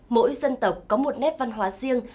mỗi dân tộc có một nét văn hóa riêng